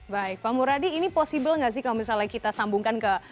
baik pak muradi ini possible nggak sih kalau misalnya kita sambungkan ke